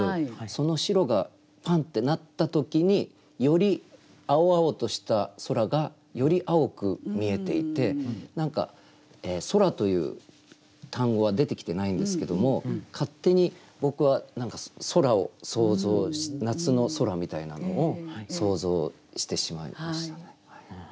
その白がパンッてなった時により青々とした空がより青く見えていて何か「空」という単語は出てきてないんですけども勝手に僕は空を想像夏の空みたいなのを想像してしまいましたね。